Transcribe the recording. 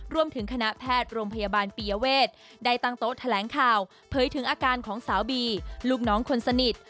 คณะแพทย์โรงพยาบาลปียเวทได้ตั้งโต๊ะแถลงข่าวเผยถึงอาการของสาวบีลูกน้องคนสนิท